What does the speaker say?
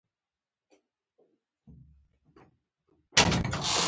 پیل د هغه ذات په نامه کوم.